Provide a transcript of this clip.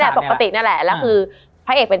มันทำให้ชีวิตผู้มันไปไม่รอด